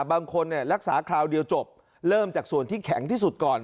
บางคนรักษาคราวเดียวจบเริ่มจากส่วนที่แข็งที่สุดก่อน